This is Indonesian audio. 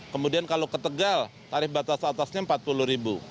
kemudian kalau ke tegal tarif batas atasnya rp empat puluh